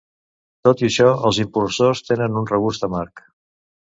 Tot i això, els impulsors tenen un regust amarg.